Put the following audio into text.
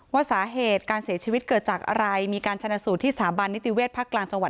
ว่าสาเหตุการเสียชีวิตเกิดจากอะไรมีการชนะสูตรที่สถาบันนิติเวชภาคกลางจังหวัด